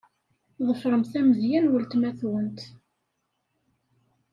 Ḍefremt amedya n weltma-twent.